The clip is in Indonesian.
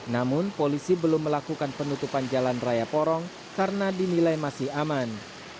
namun polisi belum melakukan penutupan jalan raya porong karena dinilai masih aman